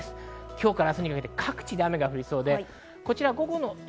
今日から明日にかけて各地で雨が降りそうです。